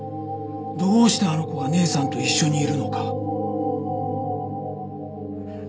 どうしてあの子が姉さんと一緒にいるのか。